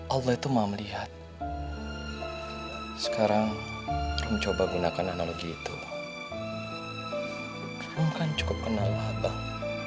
abang yakin abang akan mencari abang